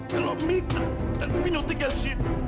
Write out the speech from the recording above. kalau mita dan pino tinggal di sini